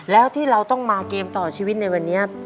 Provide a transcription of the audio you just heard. แล้วที่เราต้องมาเกมต่อชีวิตในวันนี้